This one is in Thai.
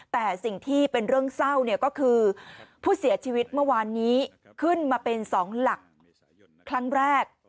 แต่สิ่งที่เป็นเรื่องเศร้าเนี่ยก็คือผู้เสียชีวิตเมื่อวานนี้ขึ้นมาเป็นสองหลักครั้งแรก